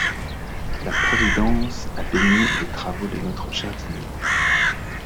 La providence a béni les travaux de notre jardinier.